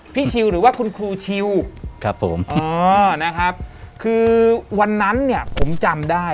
พี่ชิลหรือว่าคุณครูชิลนะครับคือวันนั้นเนี่ยผมจำได้